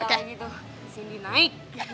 kalau gitu sunti naik